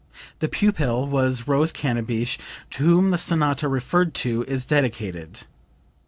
The pupil was Rose Cannabich, to whom the sonata referred to is dedicated.